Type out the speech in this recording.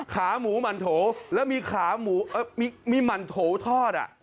ขาหมูหมั่นโถแล้วมีขาหมูมีหมั่นโถทอด